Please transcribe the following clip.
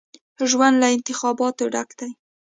ژوند له انتخابونو ډک دی.